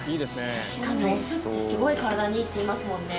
確かにお酢ってすごい体にいいっていいますもんね。